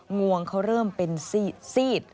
งวงเขาเริ่มเป็นซีด